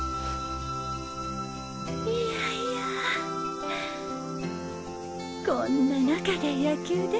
いやいやこんな中で野球ですか。